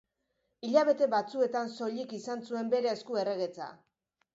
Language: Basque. Hilabete batzuetan soilik izan zuen bere esku erregetza.